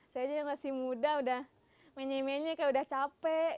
saya aja yang masih muda udah menye kayak udah capek